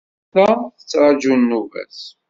Yal ta tettraǧu nnuba-s.